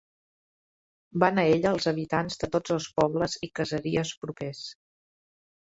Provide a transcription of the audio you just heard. Van a ella els habitants de tots els pobles i caseries propers.